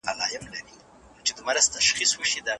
د ټولنپوهنې موضوع څه ده؟